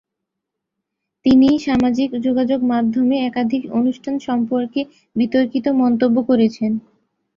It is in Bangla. তিনি সামাজিক যোগাযোগ মাধ্যমে একাধিক অনুষ্ঠান সম্পর্কে বিতর্কিত মন্তব্য করেছেন।